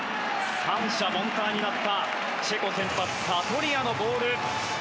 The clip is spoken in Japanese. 三者凡退になったチェコ先発サトリアのボール。